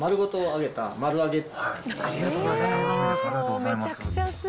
ありがとうございます。